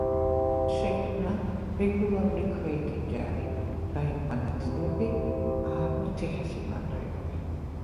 შექმნა რეგულარული ქვეითი ჯარი, გაიყვანა გზები, ააგო ციხესიმაგრეები.